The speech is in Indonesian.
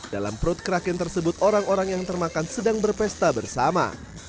dalam perut keraken tersebut orang orang yang termakan sedang berpesta bersama